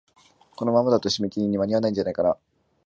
このままだと、締め切りに間に合わないんじゃないかなあ。